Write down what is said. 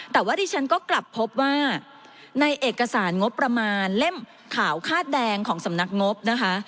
แต่ว่าดิฉันก็กลับพบว่าในเอกสารงบประมาณเล่มขาวคาดแดงของสำนักงบนะคะ